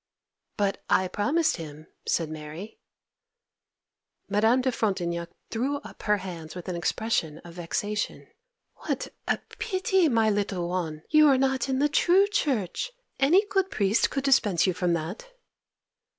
_' 'But I promised him,' said Mary. Madame de Frontignac threw up her hands with an expression of vexation. 'What a pity, my little one, you are not in the true Church! Any good priest could dispense you from that.